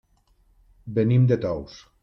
Venim de Tous.